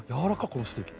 このステーキ。